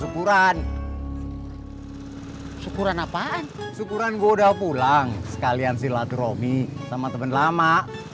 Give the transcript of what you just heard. kan gua udah pulang sekalian si latromi sama temen lama